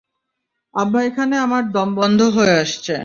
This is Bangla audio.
আব্বা এখানে আমার দমবন্ধ হয়ে আসছে।